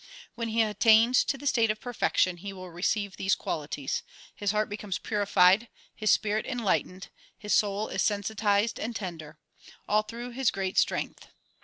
When he attains to the state of perfection he will receive these qualities; his heart becomes purified, his spirit enlightened, his soul is sensitized and tender; all through his great strength.